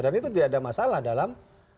dan itu tidak ada masalah dalam